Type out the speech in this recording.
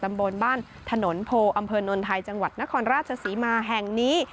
ตำบลบ้านถนนโพอำเภอนนไทยจังหวัดนครราชศรีมาแห่งนี้